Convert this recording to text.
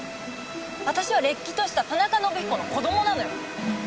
私はれっきとした田中伸彦の子供なのよ！